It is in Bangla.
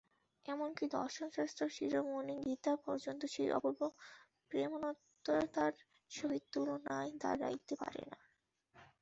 এমন কি দর্শনশাস্ত্র-শিরোমণি গীতা পর্যন্ত সেই অপূর্ব প্রেমোন্মত্ততার সহিত তুলনায় দাঁড়াইতে পারে না।